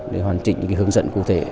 để hoàn chỉnh những cái hướng dẫn cụ thể